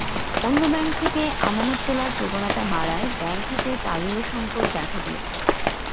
অন্য ব্যাংক থেকে আমানত তোলার প্রবণতা বাড়ায় ব্যাংক খাতে তারল্যসংকট দেখা দিয়েছে।